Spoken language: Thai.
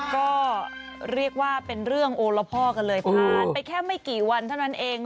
ก็เรียกว่าเป็นเรื่องโอละพ่อกันเลยผ่านไปแค่ไม่กี่วันเท่านั้นเอง